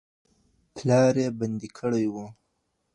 پلار یې بندي کړی و